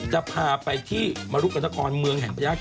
จะพาไปที่มรุกกะนครเมืองแห่งประยาท